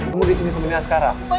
kamu disini kemenian sekarang